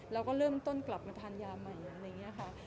เราก็เริ่มต้นกลับมาทานยาใหม่